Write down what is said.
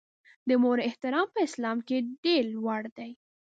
د مور احترام په اسلام کې ډېر لوړ دی.